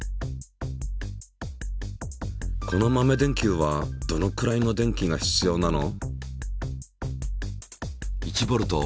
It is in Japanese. この豆電球はどのくらいの電気が必要なの？